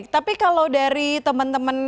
tapi kalau dari temen temen